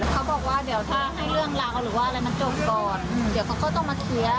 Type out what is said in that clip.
เขาบอกว่าเดี๋ยวถ้าให้เรื่องราวหรือว่าอะไรมันจบก่อนเดี๋ยวเขาก็ต้องมาเคลียร์